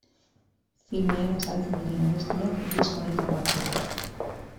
Filmean azaltzen diren abestiak disko honetakoak dira.